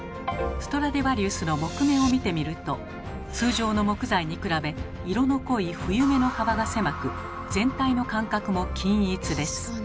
ストラディヴァリウスの木目を見てみると通常の木材に比べ色の濃い冬目の幅が狭く全体の間隔も均一です。